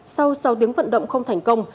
sau sáu tiếng vận động không thành công